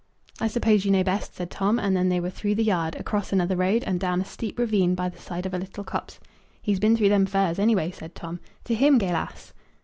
"I suppose you know best," said Tom; and then they were through the yard, across another road, and down a steep ravine by the side of a little copse. "He's been through them firs, any way," said Tom. "To him, Gaylass!"